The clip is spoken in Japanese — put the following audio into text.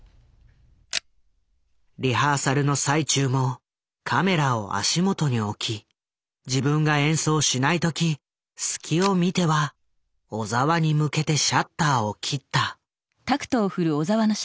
リハーサルの最中もカメラを足元に置き自分が演奏しない時隙を見ては小澤に向けてシャッターを切った。